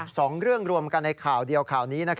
สองเรื่องรวมกันในข่าวเดียวข่าวนี้